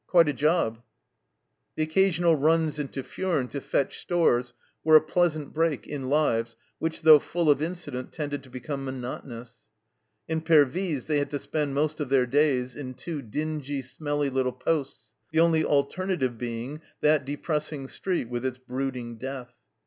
Quite a job !" The occasional runs into Furnes to fetch stores were a pleasant break in lives which, though full of incident, tended to become monotonous. In Pervyse they had to spend most of their days in " two dingy, smelly, little posies" the only alterna tive being that depressing street with its brooding death.